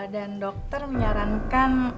dan dokter menyarankan